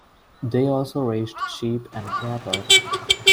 They also raise sheep and cattle.